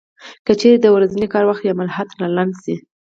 که چېرې د ورځني کار وخت یا مهلت را لنډ شي